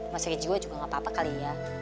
masih jiwa juga gak apa apa kali ya